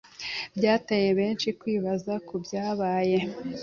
Byateye benshi kwibaza kubyabaye